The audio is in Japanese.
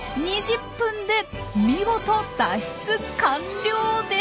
２０分で見事脱出完了です。